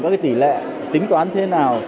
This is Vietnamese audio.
các cái tỷ lệ tính toán thế nào